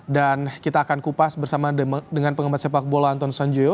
dan kita akan kupas bersama dengan penggemar sepak bola anton sanjuyo